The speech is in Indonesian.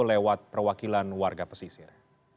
lewat perwakilan warga pesisir